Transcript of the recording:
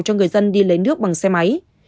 cho người dân đi lấy nước bằng xe máy